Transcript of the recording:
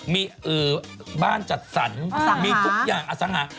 มีบ้านจัดสรรมีทุกอย่างอสังหา